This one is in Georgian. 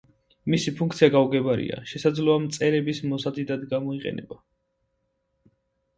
მისი ფუნქცია გაუგებარია, შესაძლოა მწერების მოსაზიდად გამოიყენება.